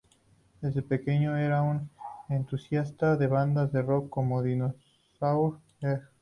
De pequeño era un entusiasta de bandas de rock como Dinosaur Jr.